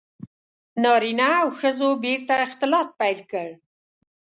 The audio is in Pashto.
• نارینه او ښځو بېرته اختلاط پیل کړ.